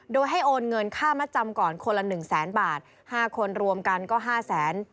โดยให้โอนเงินค่ามัดจำก่อนคนละ๑๐๐๐๐๐บาท๕คนรวมกันก็๕๐๐๐๐๐บาท